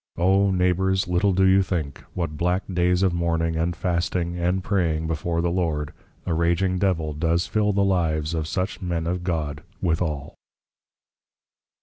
O Neighbours, little do you think, what black Days of Mourning, and Fasting, and Praying before the Lord, a Raging Devil does fill the lives of such Men of God withall.